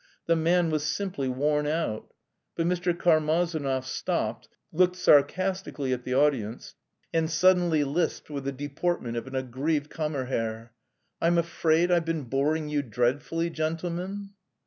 The man was simply worn out. But Mr. Karmazinov stopped, looked sarcastically at the audience, and suddenly lisped with the deportment of an aggrieved kammerherr. "I'm afraid I've been boring you dreadfully, gentlemen?"